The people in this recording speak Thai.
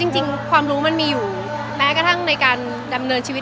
จริงความรู้มันมีอยู่แม้กระทั่งในการดำเนินชีวิต